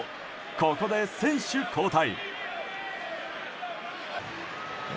ここで選手交代。